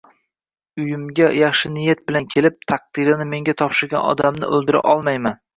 Uyimga yaxshi niyat bilan kelib, taqdirini menga topshirgan odamni o’ldira olmayman.